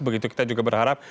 begitu kita juga berharap